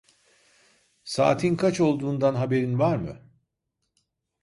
Saatin kaç olduğundan haberin var mı?